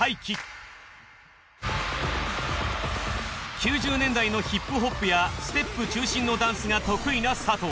９０年代のヒップホップやステップ中心のダンスが得意な佐藤。